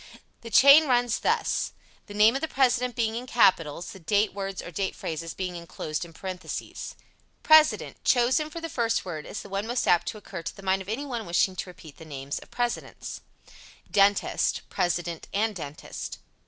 The chain runs thus, the names of the President being in capitals, the date words or date phrases being inclosed in parentheses: President Chosen for the first word as the one most apt to occur to the mind of anyone wishing to repeat the names of the Presidents. Dentist President and dentist.